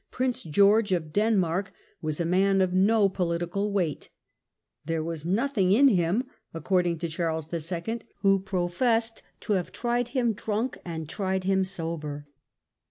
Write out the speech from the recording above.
Prince George of Denmark, was a man of no political weight. There was " nothing in him ", according to Charles II., who professed to have "tried him drunk and tried him sober